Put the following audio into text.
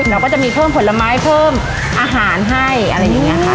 เราก็จะมีเพิ่มผลไม้เพิ่มอาหารให้อะไรอย่างนี้ค่ะ